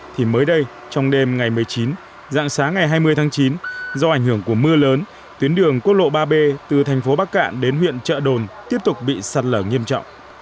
thì mới đây trong đêm ngày một mươi chín dạng sáng ngày hai mươi tháng chín do ảnh hưởng của mưa lớn tuyến đường quốc lộ ba b từ thành phố bắc cạn đến huyện trợ đồn tiếp tục bị sạt lở nghiêm trọng